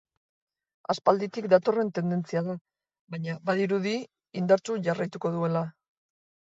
Aspalditik datorren tendentzia da, baina, badirudi indartsu jarraituko duela.